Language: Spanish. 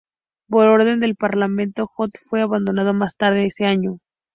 Por orden del parlamento, Holt fue abandonado más tarde ese año.